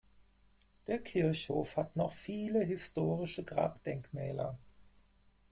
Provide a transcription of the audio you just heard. Der Kirchhof hat noch viele historische Grabdenkmäler.